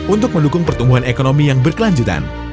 untuk mendukung pertumbuhan ekonomi yang berkelanjutan